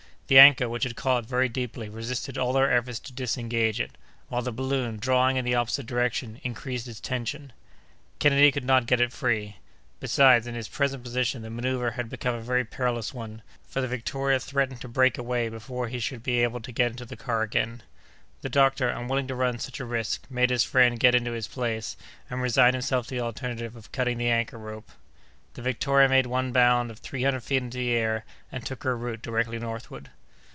The anchor, which had caught very deeply, resisted all their efforts to disengage it; while the balloon, drawing in the opposite direction, increased its tension. Kennedy could not get it free. Besides, in his present position, the manœuvre had become a very perilous one, for the Victoria threatened to break away before he should be able to get into the car again. The doctor, unwilling to run such a risk, made his friend get into his place, and resigned himself to the alternative of cutting the anchor rope. The Victoria made one bound of three hundred feet into the air, and took her route directly northward.